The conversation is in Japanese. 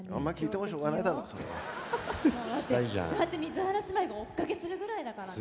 だって水原姉妹が追っかけするぐらいだからね。